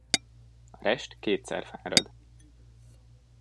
A rest kétszer fárad.